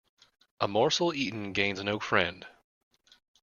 A morsel eaten gains no friend.